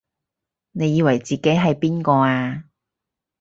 你以為自己係邊個啊？